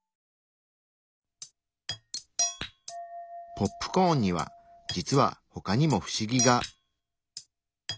ポップコーンには実は他にも不思議が。